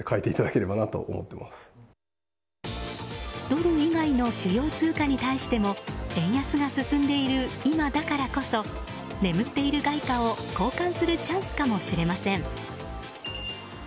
ドル以外の主要通貨に対しても円安が進んでいる今だからこそ眠っている外貨を交換するチャンスかもしれません。